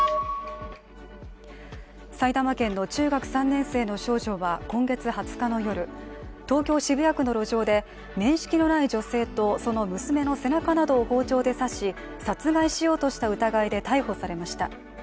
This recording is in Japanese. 埼玉県の中学３年生の少女は、今月２０日の夜、東京・渋谷区の路上で面識のない女性とその娘の背中などを包丁で刺し殺害しようとした疑いで逮捕されました。